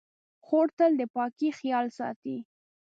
خور تل د پاکۍ خیال ساتي.